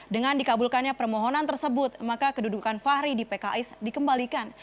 dengan dikabulkannya permohonan tersebut maka kedudukan fahri di pks dikembalikan